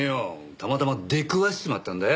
たまたま出くわしちまったんだよ。